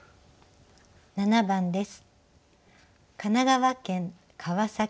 ７番です。